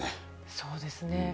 そうですね。